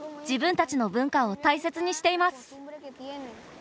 自分たちの文化を大切にしています。